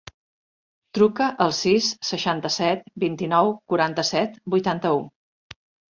Truca al sis, seixanta-set, vint-i-nou, quaranta-set, vuitanta-u.